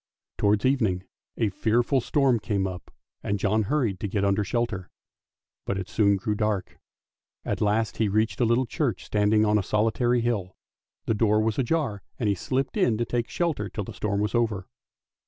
Towards evening a fearful storm came on and John hurried to get under shelter, but it soon grew dark. At last he reached a little church standing on a solitary hill; the door was ajar, and he slipped in to take shelter till the storm was over.